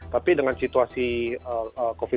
tapi dengan situasi covid sembilan belas